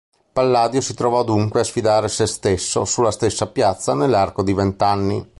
Palladio si trovò dunque a sfidare se stesso, sulla stessa piazza, nell'arco di vent'anni.